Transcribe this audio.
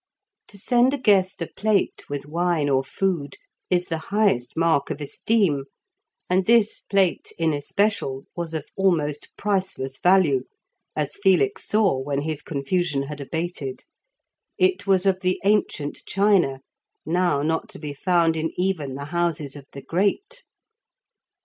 To send a guest a plate with wine or food is the highest mark of esteem, and this plate in especial was of almost priceless value, as Felix saw when his confusion had abated. It was of the ancient china, now not to be found in even the houses of the great.